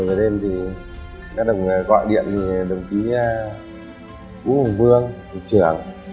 một mươi giờ đêm thì các đồng gọi điện thì đồng chí cú hồng vương thủ trưởng